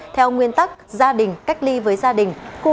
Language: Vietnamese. theo nguyên tắc gia đình cách ly với gia đình